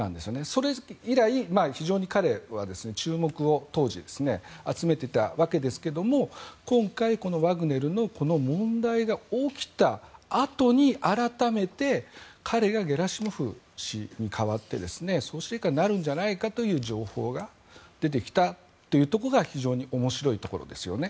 それ以来、非常に彼は注目を当時集めていたわけですけども今回ワグネルの問題が起きたあとに改めて彼がゲラシモフ氏に代わって総司令官になるんじゃないかという情報が出てきたというところが非常に面白いところですよね。